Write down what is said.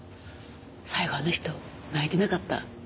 最後あの人泣いてなかった？